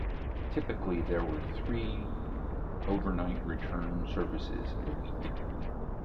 Typically there were three overnight return services a week.